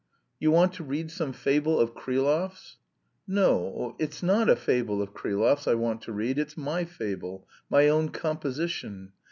"You want to read some fable of Krylov's?" "No, it's not a fable of Krylov's I want to read. It's my fable, my own composition.